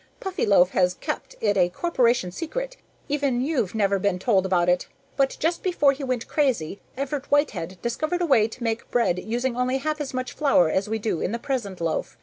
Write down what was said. "Puffyloaf has kept it a corporation secret even you've never been told about it but just before he went crazy, Everett Whitehead discovered a way to make bread using only half as much flour as we do in the present loaf.